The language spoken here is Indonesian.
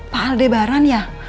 pak aldebaran ya